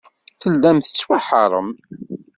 Tellam tettwaḥeṛṛem.